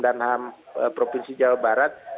dan ham provinsi jawa barat